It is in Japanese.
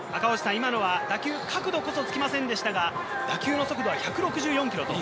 今のは打球角度こそつきませんでしたが、打球の速度は１６４キロ。